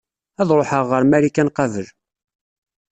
Ad ṛuḥeɣ ɣer Marikan qabel.